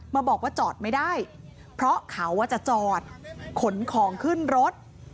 มาบอกว่าจอดไม่ได้เพราะเขาจะจอดขนของขึ้นรถ